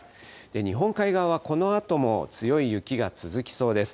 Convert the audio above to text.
日本海側はこのあとも強い雪が続きそうです。